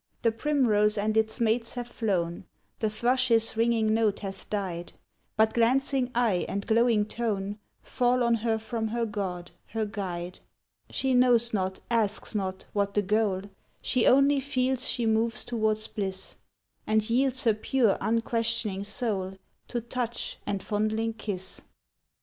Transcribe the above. The primrose and its mates have flown, The thrush's ringing note hath died; But glancing eye and glowing tone Fall on her from her god, her guide. She knows not, asks not, what the goal, She only feels she moves towards bliss, And yields her pure unquestioning soul To touch and fondling kiss.